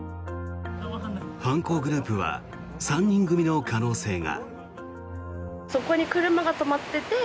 犯行グループは３人組の可能性が。